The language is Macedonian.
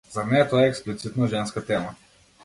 Зар не е тоа експлицитно женска тема?